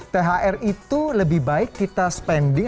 thr itu lebih baik kita spending